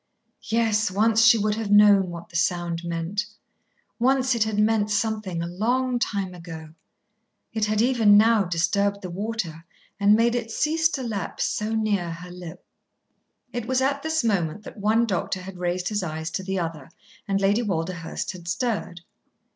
Yes, once she would have known what the sound meant. Once it had meant something, a long time ago. It had even now disturbed the water, and made it cease to lap so near her lip. It was at this moment that one doctor had raised his eyes to the other, and Lady Walderhurst had stirred.